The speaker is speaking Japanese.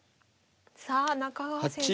さあ中川先生。